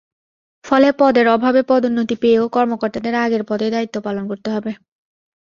ফলে পদের অভাবে পদোন্নতি পেয়েও কর্মকর্তাদের আগের পদেই দায়িত্ব পালন করতে হবে।